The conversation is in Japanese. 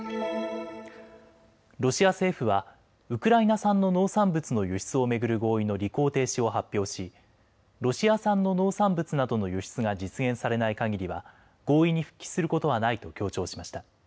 ロシア政府はウクライナ産の農産物の輸出を巡る合意の履行停止を発表しロシア産の農産物などの輸出が実現されないかぎりは合意に復帰することはないと強調しました。